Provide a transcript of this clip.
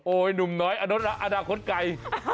โอ้ยหนุ่มน้อยอนาคตไกล